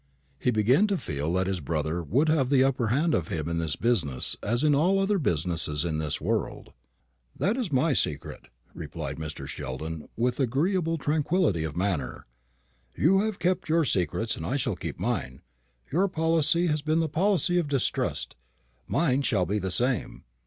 He began to feel that his brother would have the upper hand of him in this business as in all other business of this world. "That is my secret," replied Mr. Sheldon, with agreeable tranquillity of manner. "You have kept your secrets, and I shall keep mine. Your policy has been the policy of distrust. Mine shall be the same.